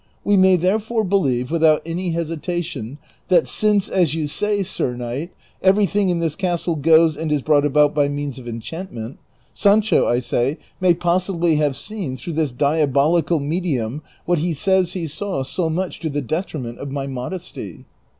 We may therefore believe, without any hesi tation, that since, as you say, sir knight, everything in this castle goes and is brought about by means of enchantment, Sancho, I say, may possibly have seen, through this dialjolical medium, what he says he saw so much to the detriment of my modesty."